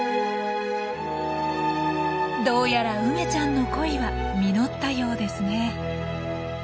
どうやら梅ちゃんの恋は実ったようですね。